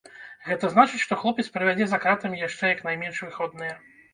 Гэта значыць, што хлопец правядзе за кратамі яшчэ як найменш выходныя.